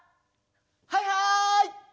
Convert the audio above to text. はいはい！